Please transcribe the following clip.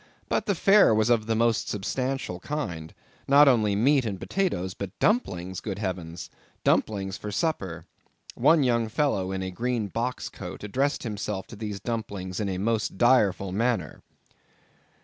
But the fare was of the most substantial kind—not only meat and potatoes, but dumplings; good heavens! dumplings for supper! One young fellow in a green box coat, addressed himself to these dumplings in a most direful manner.